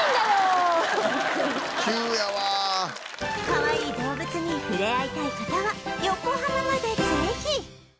かわいい動物にふれあいたい方は横浜までぜひ！